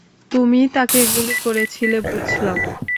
তুমিই তাকে গুলি করেছিলে, বুঝলাম।